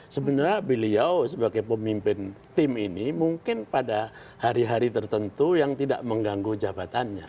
sebenarnya beliau sebagai pemimpin tim ini mungkin pada hari hari tertentu yang tidak mengganggu jabatannya